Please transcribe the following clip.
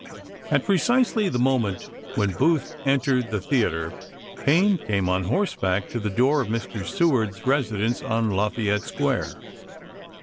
At precisely the moment when Booth entered the theater, Payne came on horseback to the door of Mr. Seward's residence on Lafayette Square.